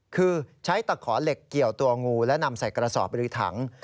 คือใช้ตะขอเหล็กเกี่ยวตัวงูและนำใส่กระสอบหรือถัง